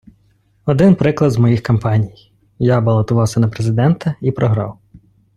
Один приклад з моїх кампаній – я балотувався на президента і програв.